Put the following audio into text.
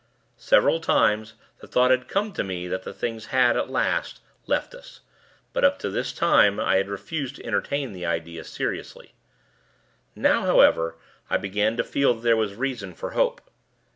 Several times, the thought had come to me, that the Things had, at last, left us; but, up to this time, I had refused to entertain the idea, seriously; now, however, I began to feel that there was reason for hope.